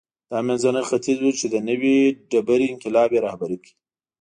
دا منځنی ختیځ و چې د نوې ډبرې انقلاب یې رهبري کړ.